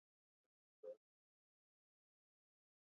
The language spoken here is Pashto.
د سیاسي چارو شنونکي وایې دغه ډول چاري اوضاع د کرکېچ خواته بیایې.